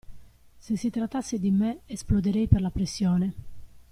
Se si trattasse di me, esploderei per la pressione.